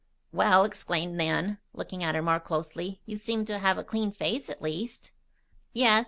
"Well!" exclaimed Nan, looking at her more closely. "You seem to have a clean face, at least." "Yes.